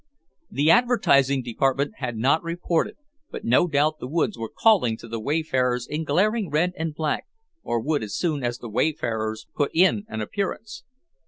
The advertising department had not reported, but no doubt the woods were calling to the wayfarers in glaring red and black, or would as soon as the wayfarers put in an appearance.